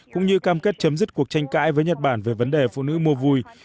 cũng như cam kết chấm dứt cuộc tranh cãi với nhật bản về vấn đề phụ nữ mua vui